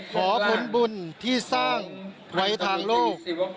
ขอผลบุญที่สร้างไว้ทางโลก